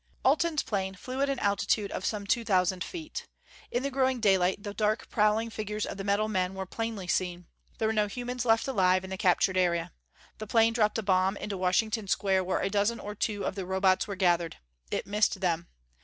Alten's plane flew at an altitude of some two thousand feet. In the growing daylight the dark prowling figures of the metal men were plainly seen. There were no humans left alive in the captured area. The plane dropped a bomb into Washington Square where a dozen or two of the Robots were gathered. It missed them.